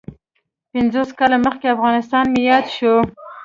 پنځوس کاله مخکې افغانستان مې یاد شو.